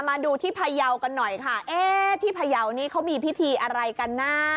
มาดูที่พยาวกันหน่อยค่ะเอ๊ะที่พยาวนี้เขามีพิธีอะไรกันนะ